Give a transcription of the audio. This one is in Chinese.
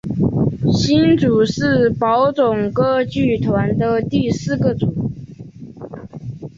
星组是宝冢歌剧团的第四个组。